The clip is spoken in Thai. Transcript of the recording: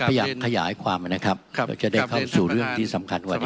ผมก็อ้างขอบังคับเช่นเดียวกัน